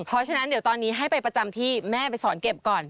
เพราะฉะนั้นเดี๋ยวตอนนี้ให้ไปประจำที่แม่ไปสอนเก็บก่อน